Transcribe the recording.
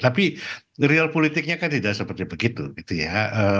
tapi real politiknya kan tidak seperti begitu gitu ya